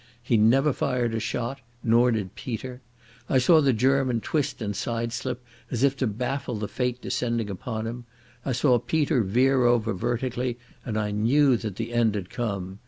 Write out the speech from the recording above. He never fired a shot, nor did Peter.... I saw the German twist and side slip as if to baffle the fate descending upon him. I saw Peter veer over vertically and I knew that the end had come.